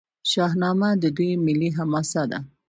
شاهنامه د دوی ملي حماسه ده.